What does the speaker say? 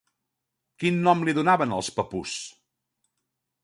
Quin nom li donaven els papús?